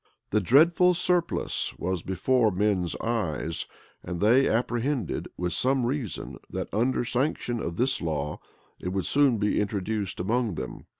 The dreadful surplice was before men's eyes, and they apprehended, with some reason, that under sanction of this law, it would soon be introduced among them.